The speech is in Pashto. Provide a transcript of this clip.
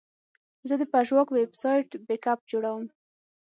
زه د پژواک ویب سایټ بیک اپ جوړوم.